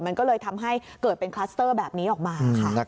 มันก็เลยทำให้เกิดเป็นคลัสเตอร์แบบนี้ออกมาค่ะ